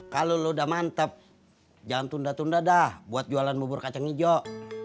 kalau lo udah mantep jangan tunda tunda dah buat jualan bubur kacang hijau